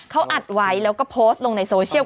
เขาอัดไว้แล้วก็โพสต์ลงในโซเชียล